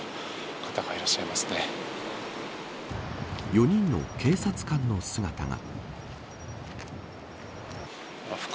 ４人の警察官の姿が。